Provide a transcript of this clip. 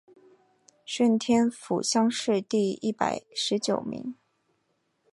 顺天府乡试第一百十九名。